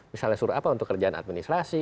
misalnya suruh apa untuk kerjaan administrasi